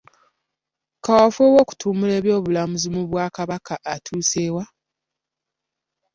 Kaweefube w'okutumbula eby'obulambuzi mu Bwakabaka atuuse wa?